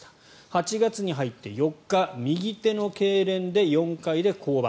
８月に入って４日右手のけいれんで４回で降板。